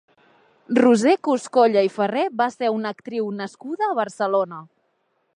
Roser Coscolla i Ferrer va ser una actriu nascuda a Barcelona.